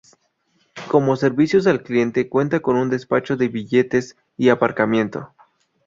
Como servicios al cliente cuenta con despacho de billetes y aparcamiento.